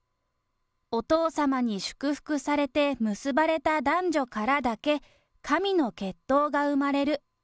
お父様に祝福されて結ばれた男女からだけ、神の血統が生まれる。